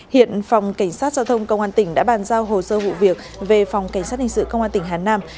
hiện phòng cảnh sát giao thông công an tỉnh đã bàn giao hồ sơ vụ việc về phòng cảnh sát hình sự công an tỉnh hà nam